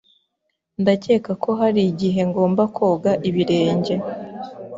Ndakeka ko hari igihe ngomba koga ibirenge.